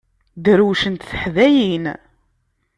Drewcent teḥdayin.